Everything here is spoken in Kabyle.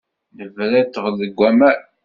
Nebra i ṭṭbel deg waman.